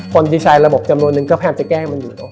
คนดีไซน์ระบบจำนวนนึงก็แพร่งจะแก้มันอยู่